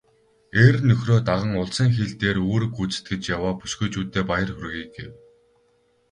"Эр нөхрөө даган улсын хил дээр үүрэг гүйцэтгэж яваа бүсгүйчүүддээ баяр хүргэе" гэв.